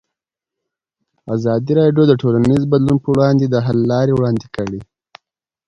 ازادي راډیو د ټولنیز بدلون پر وړاندې د حل لارې وړاندې کړي.